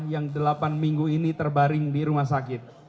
yang delapan minggu ini terbaring di rumah sakit